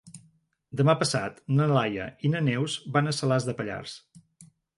Demà passat na Laia i na Neus van a Salàs de Pallars.